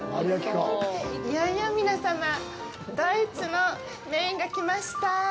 いよいよ皆様、ドイツのメインが来ました。